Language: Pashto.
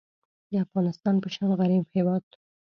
د افغانستان په شان غریب هیواد